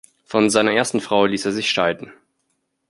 Von seiner ersten Frau ließ er sich scheiden.